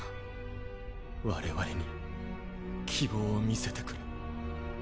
我々に希望を見せてくれ。